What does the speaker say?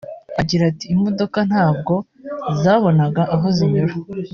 Agira ati “Imodoka ntabwo zabonaga aho zinyura